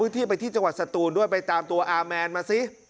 ที่ไปที่จังหวัดสตูนด้วยไปตามตัวอาร์แมนมาซิ